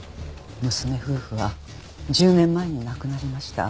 娘夫婦は１０年前に亡くなりました。